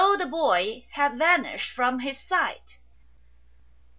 the boy had vanished from his sight.